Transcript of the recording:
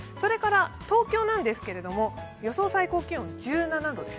東京なんですけれども、予想最高気温１７度です。